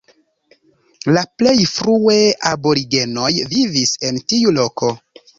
La plej frue aborigenoj vivis en tiu loko.